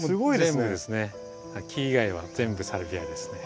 全部ですね木以外は全部サルビアですね。